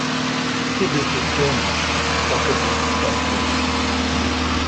He lived at Dormont, Lockerbie, Dumfries.